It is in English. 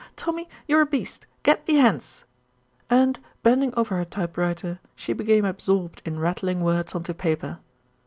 "Tommy, you're a beast. Get thee hence!" and, bending over her typewriter, she became absorbed in rattling words on to paper.